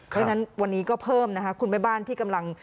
เพราะฉะนั้นวันนี้ก็เพิ่มนะคะคุณแม่บ้านที่กำลัง